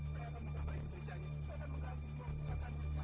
siti tidak maafkan aku